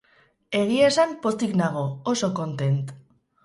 Egia esan, pozik nago, oso kontent.